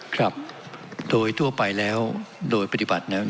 ครับโดยทั่วไปแล้วโดยปฏิบัตินั้น